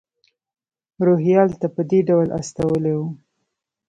روهیال ته په دې ډول استولی و.